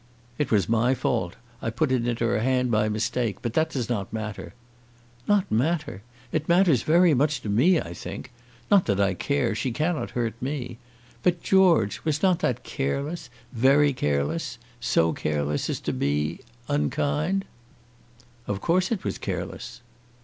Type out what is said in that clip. "It was my fault. I put it into her hand by mistake. But that does not matter." "Not matter! It matters very much to me, I think. Not that I care. She cannot hurt me. But, George, was not that careless very careless; so careless as to be unkind?" "Of course it was careless."